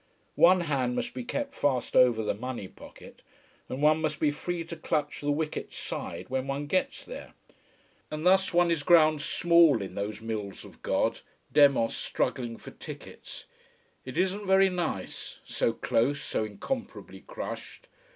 One hand must be kept fast over the money pocket, and one must be free to clutch the wicket side when one gets there. And thus one is ground small in those mills of God, Demos struggling for tickets. It isn't very nice so close, so incomparably crushed.